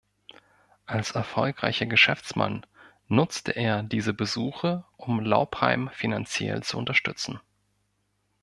Als erfolgreicher Geschäftsmann nutzte er diese Besuche, um Laupheim finanziell zu unterstützen.